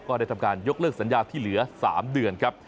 ได้ทำการยกเลิกสัญญาที่เหลือ๓เดือนครับ